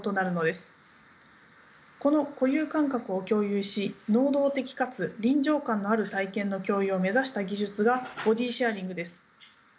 この固有感覚を共有し能動的かつ臨場感のある体験の共有を目指した技術がボディシェアリングです。